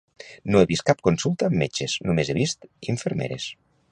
No he vist cap consulta amb metges, només he vist infermeres